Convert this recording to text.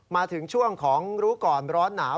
มาถึงช่วงของรู้ก่อนร้อนหนาว